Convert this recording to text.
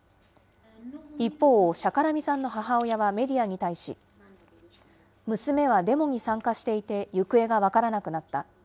一方、シャカラミさんの母親はメディアに対し、娘はデモに参加していて行方が分からなくなった。